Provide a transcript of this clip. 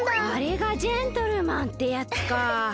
あれがジェントルマンってやつか！